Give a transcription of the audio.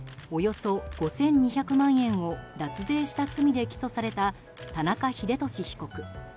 およそ５２００万円を脱税した罪で起訴された田中英寿被告。